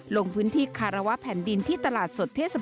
ลงพื้นที่คารวะแผ่นดินที่ตลาดสดเทศบาล